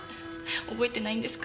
覚えてないんですか？